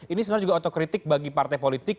ini sebenarnya juga otokritik bagi partai politik